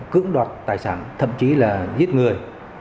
cưỡng đoạt tài sản thậm chí là giết người